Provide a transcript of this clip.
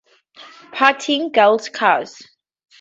Partying, girls, cars.